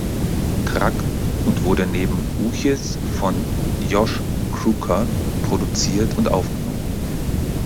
Track und wurde neben Uchis von Josh Crocker produziert und aufgenommen.